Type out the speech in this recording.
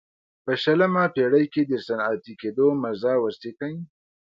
په شلمه پېړۍ کې د صنعتي کېدو مزه وڅکي.